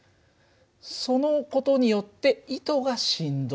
その事によって糸が振動する。